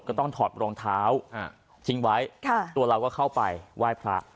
ก็ต้องถอดรองเท้าทิ้งไว้ตัวเราก็เข้าไปไหว้พระ